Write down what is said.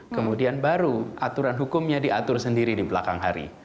kemudian baru aturan hukumnya diatur sendiri di belakang hari